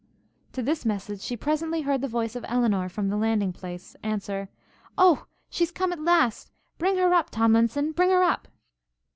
To this message she presently heard the voice of Elinor, from the landing place, answer, 'O, she's come at last! Bring her up Tomlinson, bring her up!'